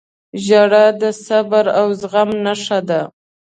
• ژړا د صبر او زغم نښه ده.